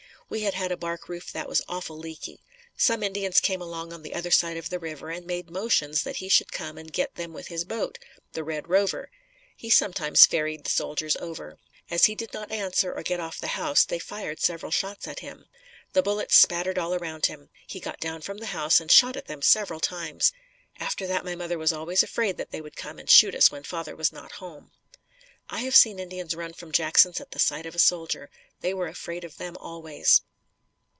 We had had a bark roof that was awful leaky. Some Indians came along on the other side of the river and made motions that he should come and get them with his boat, "The Red Rover." He sometimes ferried the soldiers over. As he did not answer or get off the house, they fired several shots at him. The bullets spattered all around him. He got down from the house and shot at them several times. After that, my mother was always afraid that they would come and shoot us when father was not home. I have seen Indians run from Jackson's at sight of a soldier. They were afraid of them always.